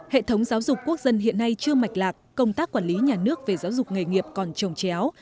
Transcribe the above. hệ thống giáo dục quốc dân hiện nay chưa mạch lạc công tác quản lý nhà nước về giáo dục nghề nghiệp còn trồng chéo